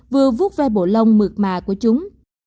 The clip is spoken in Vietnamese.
vừa vuốt ve bộ lông mượt mà của chúng